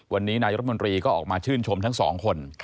วันนี้นายรัฐมนตรีก็ออกมาชื่นชมทั้งสองคน